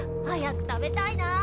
早く食べたいな。